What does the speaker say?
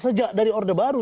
sejak dari orde baru